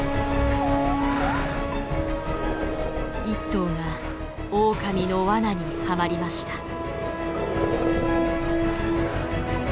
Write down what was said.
一頭がオオカミの罠にはまりました。